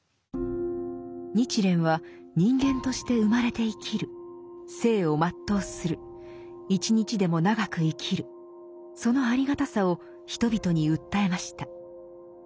日蓮は人間として生まれて生きる生を全うする一日でも長く生きるそのありがたさを人々に訴えました。